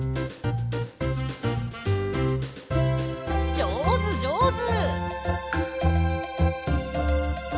じょうずじょうず！